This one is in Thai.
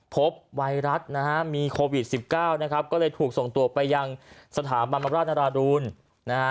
ไวรัสนะฮะมีโควิดสิบเก้านะครับก็เลยถูกส่งตัวไปยังสถาบันราชนาราดูลนะฮะ